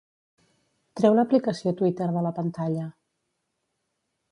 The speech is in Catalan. Treu l'aplicació Twitter de la pantalla.